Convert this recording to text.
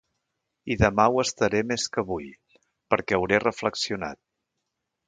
I demà ho estaré més que avui, perquè hauré reflexionat.